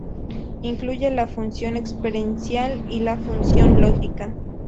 Incluye la función experiencial y la función lógica.